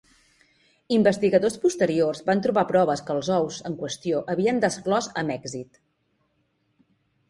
Investigadors posteriors van trobar proves que els ous en qüestió havien desclòs amb èxit.